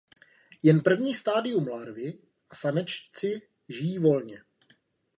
Jen první stádium larvy a samečci žijí volně.